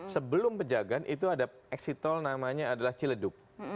sebelum pejagan itu ada exit tol namanya adalah ciledug